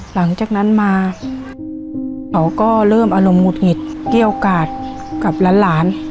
หลังจากนั้นมาเขาก็เริ่มอารมณ์หุดหงิดเกี้ยวกาดกับหลาน